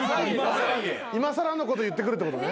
いまさらなこと言ってくるってことね。